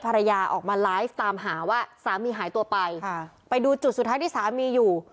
ภรรยาออกมาไลฟ์ตามหาว่าสามีหายตัวไปค่ะไปดูจุดสุดท้ายที่สามีอยู่